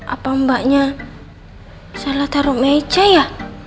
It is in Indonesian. apa mbaknya salah taruh meja ya